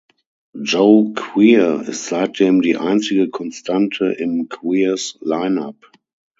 Joe Queer ist seitdem die einzige Konstante im Queers-Line Up.